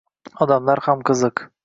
Odamlar ham qiziq.